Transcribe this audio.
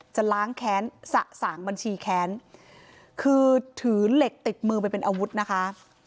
จะล้างแค้นสะสางบัญชีแค้นคือถือเหล็กติดมือไปเป็นอาวุธนะคะ